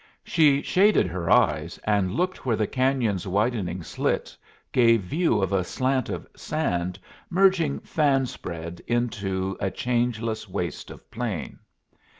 She shaded her eyes, and looked where the cañon's widening slit gave view of a slant of sand merging fan spread into a changeless waste of plain.